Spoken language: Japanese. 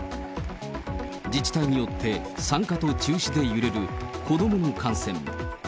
自治体によって、参加と中止で揺れる子どもの観戦。